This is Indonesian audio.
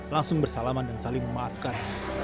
langsung bersalaman dan saling memaafkan